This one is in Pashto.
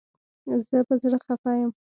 زه په زړه خپه یم